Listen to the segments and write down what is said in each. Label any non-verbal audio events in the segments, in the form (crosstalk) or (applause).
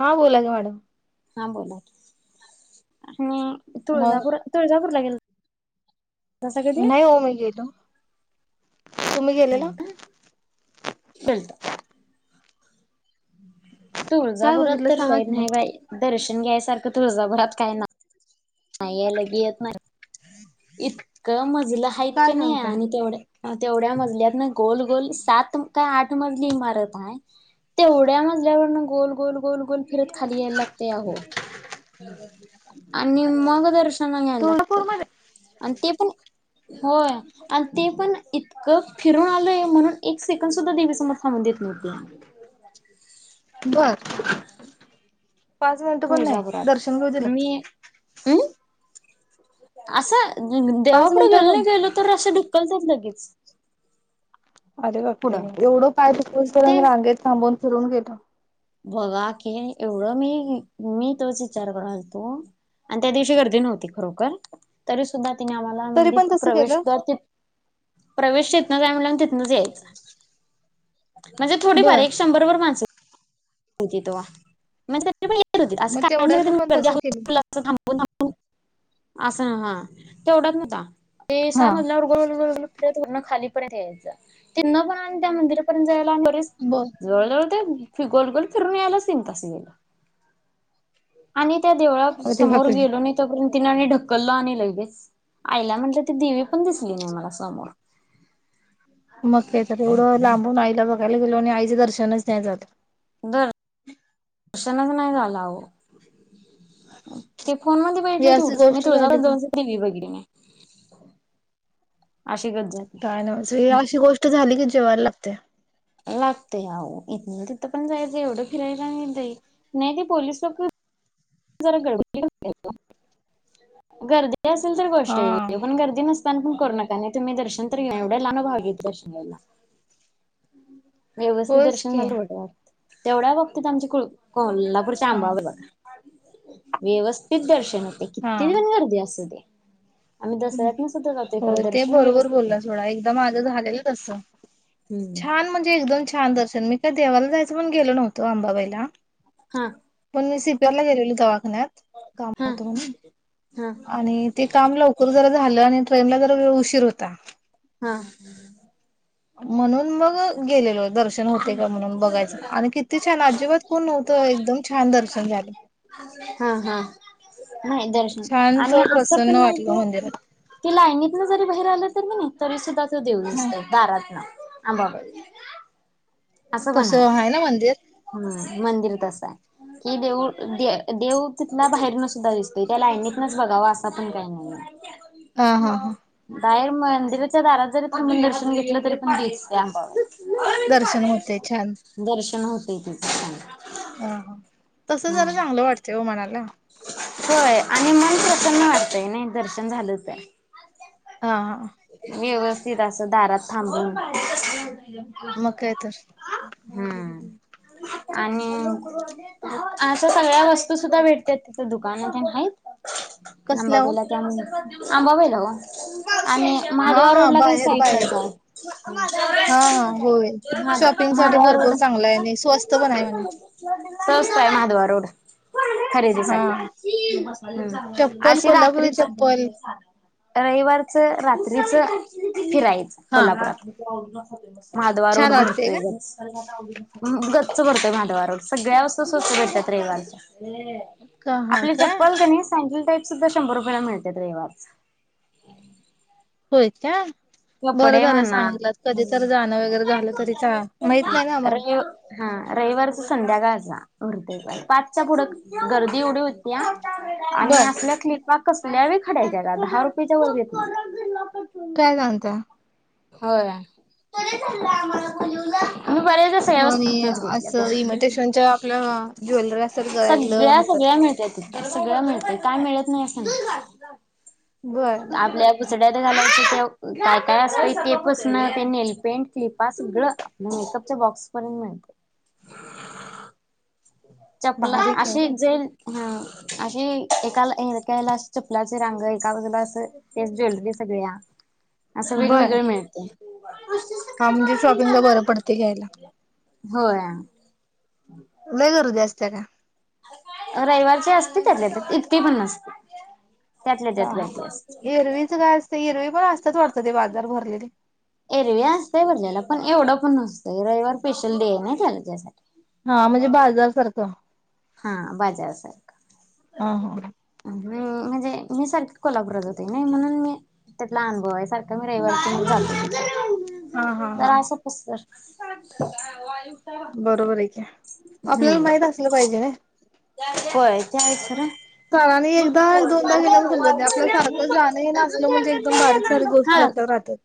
हा, बोला की मॅडम. हा बोला, हम्म. मग तुळजापुर तुळजापूरला गेल नाही हो मी गेलो. तुम्ही गेलेला? नाही का गेलतो. काय तुळजापुरात बघितलं तर सांगा लई की मग नाही बाई दर शन घ्यायसारखं तुळजाभरात काय नाही. नाही ये लगी येत नाय. इतकं म जलं आहेत की काय नाही सांगताय आणि तेवढं तेवढ्या मजल्यातन गोल गोल सात काय आठ मजली इमारत आहे तेवढ्या मजल्यावरन गोल गोल गोल गोल फिरत खाली यायला लागते आहो आणि मग दर शन घायला लागतं. तुळजापूर मध्ये आणि ते पण होय आणि ते पण इतकं फिरून आलय म्हणून एक सेकंड सुद्धा देवीसमोर थांबून देत नव्हते. बर. पाच मिनिटं पण नाही दर्शन घेऊ दिेलं. आं आसं पाच देवापुढे मिनिटं गेल पण नाही गेलं तर असं ढुक्कलतात लगेच. (inaudible) अरे बाप रे पुढं एवढं पाय दुकुस ते पर्यंत रांगेत थांबून फरून गेलतो. बघा की एवढं मी मी तोच विचारलतो आणि त्या दिवशी गर्दी नव्हती खरोखर तरी सुद्धा तिने आम्हाला तरी पण मंडत तसं प्रवेश केलं कर. प्रवेश तथनच आहे म्हला तिथनच यायचं म्हणजे थोडीफार बर एक शंभर माच कती तवा म्ह असं मग तेवढ्यांना कायर्दी पण तसं केलं थांबून थांबून. असं ना हा तेवढच नवता. ते हा सांगजलं ग गखाली पण त्या मिर्य बर जवळ जवळते फि गोल गोल तरिरण यालाच नम तस गेलं आणि त्या देवळा अरे समोर बापरे गेलो आणि तोपर्यंत तिन आणि ढकल आणि लगेच आईला म्हटलं ती दिवी पण दिसली नाही मला समोर मगच तेवढं लांबून आईला बघ गेलो आणि आईचें दर्शनच नाही जात बर. त्यांच नाही झाला हो. ते फोन मध्ये ही भेटले तेव अशी मी गोष्ट तुझ झाली की दोने टी व्ही बघितली मी अ काय नाही अशी गोष्ट झाली की जेवायला लागते लागतेय आह इथ तिथं पण जायचं एवढं फिरायला नाही जाई नाही ते पोिस लक जरा गडबडी गर्दी ते असेल तर गोष्ट हा पण गर्दी नसताना पण करू नका नाही तुम्ही दर्शन तर घे एवढ्या लहानो भाग घेत दर्शन घ्यायला व्यवस्थित होयच दर्शन की झालं होठ तेवढ्या बघतीत आमचे को अ हा शांबा व्यवस्थित दर्शन ते कती हा ते पण करते असस ते हो खरं ते दर्शन बरोबर व्यवस्थित बोलला होते सोडा एकदा माझ झालेलं तस हम्म छान म्हणजे एकदम छान दर्शनी काय देवाला जाचंण गेलो नतो अंबाबाईला हा पण म गेलेली दवा खाण्यात काम हा होत म्हणून, हा आणि ते काम लव झालं आणि ट्रेनला जरा वेळ उशीर होता. हा म्हणून मग गेलेलो दर्शन होतय का म्हणून बघायच आणि किती छान, अजिबात कोण नव्हतं एकदम छान दर्शन झाले. हा हा. नाही दर्शन शांत आणि असं प्रसन्न पण वाटलं नाहीत मंदिरात ती, लायनीतन जरी बाहेर आलं तर की नाय तरी सुद्धा देऊ दिसत दारात न आबा बाई तसं आहे ना मंदिर? हम्म मंदिर तस आहे कि देऊ देव तिथला बाहेरन सुद्धा दिसतोय त्या लायनीतनच बघावं असं पण काही नाहीय. हा हा हा बाहेर मंदिराच्या दारात थांबून जरी दर्शन घेतलं तरी पण दिसतीये आंबाबाई! दर्शन होते छान. ते हा हा तस झाला चांगलं वाटतंय हो मनाला. होय आणि मन प्रसन्न वाटतंय नाय दर्शन झालंतर? हा हा वेवस तिथ अस दारात थांबून (inaudible) मग काय तर हम्म आणि आस सगळ्या वस्तू सुद्धा भेटत तिथं दुकानात नाहीत. कसल्या हो अंबाबाईला ती आम्हीं अंबाबाईला ओ आणि हा माधवा हा रोडला काय बाहेर बाहेर साईटलाच हा हा होय हाय, शॉपिंग साठी माधवा रोड भरपूर चांगला आहे आणि स्वस्त पण आहे म्हणे स्वस्त आहे माधवा रोड हा खरेदीसाठी चप्पल अशी कोल्हापुरी रात्रीच चप्पल रविवारच लीच फिरायचं हा कोल्हापुरात. (inaudible) माधवा छान रोड वाटते भरतोय का नुसता गच्च भडतोय माधवा रोड सगळ्या वस्तू स्वस्त भेटतात रविवारच्या. का हा आपली काय चप्पल का नाही सा सुद्धा शंभर रुपयाला मिळते रविवाच. होय का. बरं कपडे झालं म्हणा सांगितलं कधी तर जाणं वगैरे झालं तरी चा माहित नाही ना र आम्हाला हां रविवारच संध्याकाळच्या (unintelligible) पाचच्या पुढं गर्दी एवढी होती या आणि बर आपल्या क्लिपा कस ल्या खडाच्या दहा रुपयेच्या वर येत नाही (unintelligible) होय मी बऱ्याचस हो आणि व्यवस्थच घेतल्या त्या असं इमिटेशनच्या आपल्या ज्वेलरी असतात गळ्यातलं सगळ्या हातात सगळ्या मिळत्यात तिथं सगळ्या मिळत काय मिळत ह्ं बर आपल्या (unintelligible) (unintelligible) काय काय अस तेपच ते नेलपेंट क्लिपा सगळ आपल्या मेकअपच्या बॉक्स पर्यंत मिळत. चपला भारी की अशी एकझई हा अशी एकाला चपलाचे रांग एका बाजला अस ते ज्वेलरी सगळ्या असं बर वेगवेगळे मिळते. हा म्हणजे शॉपिंगला बरं पडते घ्यायला होय नाही करु दे (unintelligible) रविवारची असते त्याच्याकड तर इतके पण नसते त्यातल्या हा त्यात हा गर्दी असते. एरवीच काय असत एरवी पण असतात वारत ते बाजार भरलेले. एरवी असतय भरलेलं पण एवढं पण नसतंय रविवार स्पेशल डे आहे ना त्याला त्यासाठी. हा म्हणजे बाजार सारखं. हा बाजार सारखं हा हा. हम्म म्हणजे मी सारखी कोल्हापूरात होते ना म्हणून मी त्यातला अनुभव आहे सारखा मी रविवारी चालतो. हा हा हा जरा असं पसत वाय बरोबर आहे का आपल्याला माहित असलं पाहिजे ना. हो (unintelligible) विसर सरांनी एकदा एक दोनदा गेल्या समजत नाही आपल्या सारखं जाणं येणं असलं म्हणजे एकदम बारीक सारीक गोष्टी हा लक्षात राहतात.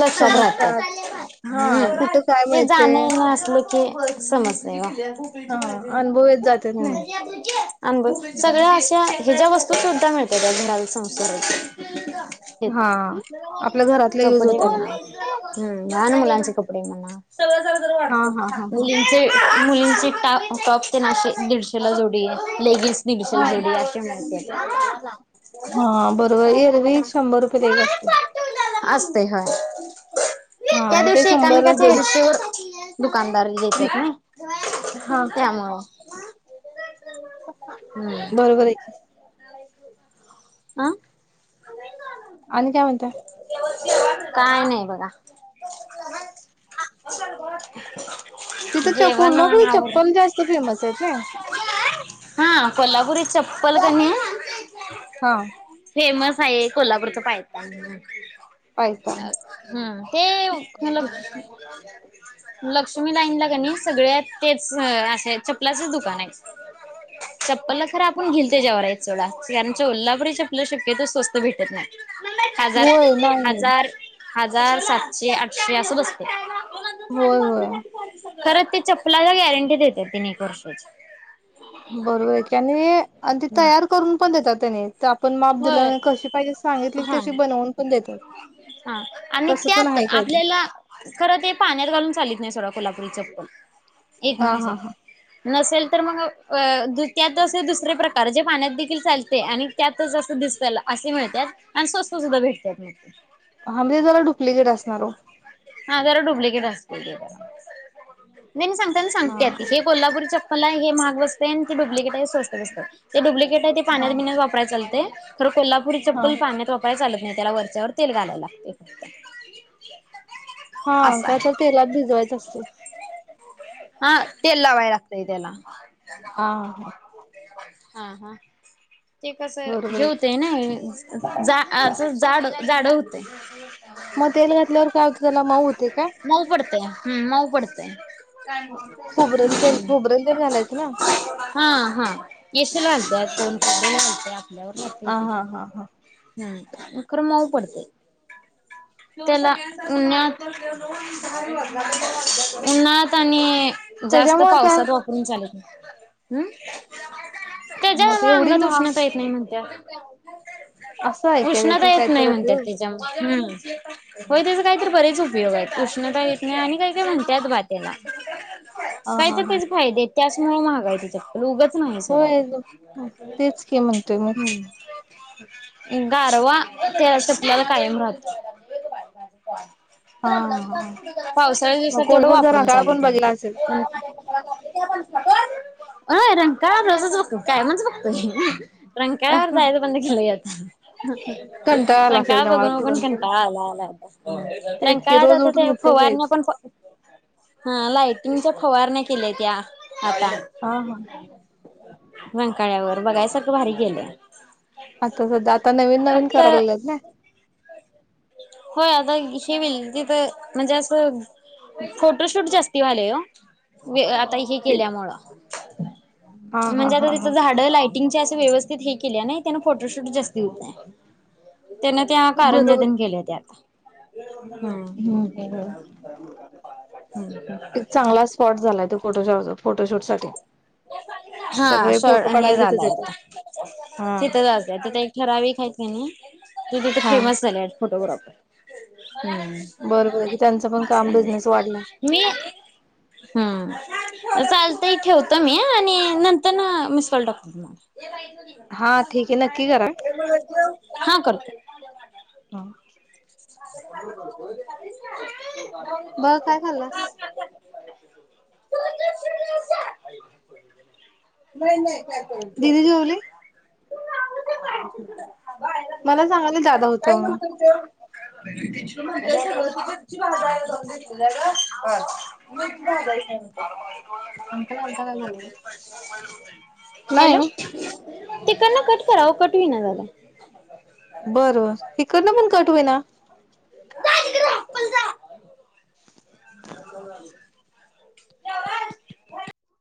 लक्षात राहत समजतात हा कुठं काय ते मिळते जाण येत असलं समजते. ढोबळी ची हा भाजी अनुभव भाकरी येत का. जातात ना. हम्म आमब सगळ्या अशा ह्या ज्या वस्तू सुद्धा मिळत अजून संसारा हेता हा आपल्या घरातल्या युज कपडे होतात. म्हणा हम्म मन मुलाचिक पुिय मणा सग झा तर हा हा वाटत हा हा मुलीं मुलींचे टा टॉप ते नाशे दिीडशेला जुडी आहे लेगीसशल हा. लेडीे हा बरोबर एरवी शंभर रुपये लेख असते असते हय हा त्या मग ते दिवशी शंभरला एकामेकाच्या दीडशे हष्टीवर दुकानदार येतात ना हा त्यामुळं हम्म. बरोबर आहे आह आणि काय म्हणताय काय नाही बघा तिथं जेवण चकोलला के आवर चक्कोल जास्त फेमस आहेत ना हा कोल्हापुरी चप्पल कनी हा फेमस आहे कोल्हापूरच पाहिता पायतान हम्म ते मल लक्ष्मी लाईन ला ग नाही सगळ्या तेच असे चपलाचच दुकान आहे चप्पल खर आपण घेलते ज्याववर कोल्हापुरीच्या आप शक्यत स्वस्त भेटत नाही हजार होय नाही हजार हजार सातशे आठशे असं बसत खडू होय बाप होय घ पा खरं ते चप्लाला गॅरंटी देते तीन एक वर्षाची. बरोबर आहे की आणि आणि त तयार करून पण देतात त्यांनी. ते आपण माप होय दिलं कशी पाहिजे सां हा हा आणि तसं पण त्यात आहे काय ते आपल्याला खर ते पाण्यात घालून चालत नाही सोड कोल्हा त चपल. एक हा माणस हा आहे. हा नसेल तर मग त्यात असे दुसरे प्रकार जे पाण्यात देखील चालते आणि त्यातच असं दिसत्याल असे मिळतात. आणि स्वस्त सुद्धा भेटतात मग. हा म्हणजे जला डुप्लिकेट असणार हो. केट असतय जरा. न नाही सांगताना हा सांगत्यात हे कोल्हापूर चप ल हे महाग बसते आणि ते डुप्लिकेट हाय स्वस्त बसते ते डुप्लि केट आहे ते हा पाण्यात बिनच वापय चालते. खरं कोल्हा हा पल पाण्यात वाप काय चालत नाही त्याला वरच्यावर तेल घालायला लागते फक्त हा असं काय तर आहे. तेलात भिजवायचं असते. हा तेल लावाय लागतय त्याला. हा हा. हा हा. ते कसं बरोबर हे आहे होतंय नाही. जा असं जाड जाड होतय. मग तेल घातल्यावर काय होतं त्याला मऊ होते काय? हम् मऊ पडतेंय. खोबरेल तेल खोबरेल तेल घालायचं ना. हा हा येसल घालतात. (unintelligible) (unintelligible) हा हा हा हा. हम्म खरं मऊ पडते त्याला उन्हात उन्हाळ्यात आणि जास्त त्याच्यामुळे काय पावसात वापरून चालत नाही. हम्म मग त्याच्यामुळ एवढी अंगात महाग उष्णता येत नाही म्हणत्या. (unintelligible) असं आहे का कृष्णता त्याचा येत काय नाही तर म्हणतात उपयोग. तिच्यामु हम् हो त्याच काहीतरी बरेच उपयोग आहेत उष्णता घेत नाही आणि काही काही म्हणतात बात्याला हा काय हा तर हा. तेच फायदेेत त्याचमुळे महागाई तिथं ल उगच नाही सोडा त होय तेच का म्हणतोय मी गारवा ते तपल्याला कायम राहतो हा हा. पावसाळ्या दिवस मग तेवढ कोल्हापूरचा वापरून रंगाळ पण चालत बघितला माती असेल अ रंग काब र अस काय म्हणज हो रंकावर जायच बंद केेलं होात कंटाळा आला असेल रंकाळ बघ तुम्हाला बघ फिरून घंट फिरून. आला आलाता तेच की रंकाळ रोज उठून ते इथंच फवारण्या जायचं. पण लाइटिंगच्या फवारण्या केलेक हा हा वंकाळ्यावरर बघाय सारखं भारी गेलं आचता सध्या आता नवीन नवीन करायला लात ना होय आता हे तिथ म्हणजे असं फोटोशूट जास्ती वाले हो ते. केल्या हा हा म्हणजे हा आ हा. झाड लाटंग व्यवस्थित हे के नाही त्याना फोटोशूट जास्त होत नाही त्यांन त्या कारंजादन केल्या त्या हम हम् ह एक चांगला स्पॉट झालाय तो फोटोशॉ फोटोशूट ओके हा शॉ हे तिथेच झालंय येतात. हा तिथं जाय तथ एक ठराविकाय नाही ना त तिथे हा फेमस झालड फोटोग्राफर बरोबर आहे की त्यांचं पण हम्म काम बिझनेस वाढला मी हम्म चालत इ ठेवत क म आणि नंतर ना म्युन्सिपल डॉक्टर हा ठीक आहे नक्की करा. एव हो हा करतो हम (inaudible) बघ काय खाल्लास नाही नाही काय करेल दिदी झोपली जेवली काय मला सांगाला दादा होत मग म्हणज सगळसोबतची बाधा (unintelligible) अंकल आलता काय बोल नाही ते कर कट करा कट होई जदा ह जा तिकडं, अ नवाज